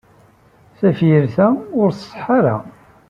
Tafyirt-a ur tṣeḥḥa ara.